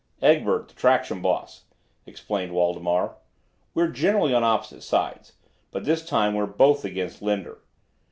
"Egbert, the traction boss," explained Waldemar. "We're generally on opposite sides, but this time we're both against Linder.